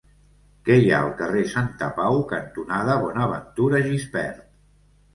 Què hi ha al carrer Santapau cantonada Bonaventura Gispert?